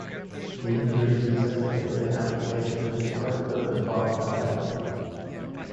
The injuries necessitated amputation of his right foot and part of that leg.